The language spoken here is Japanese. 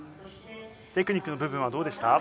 テクニックの部分はどうでした？